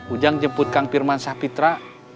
ujang jemput kang pirman sah fitra